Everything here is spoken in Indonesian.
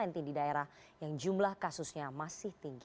yang di daerah yang jumlah kasusnya masih tinggi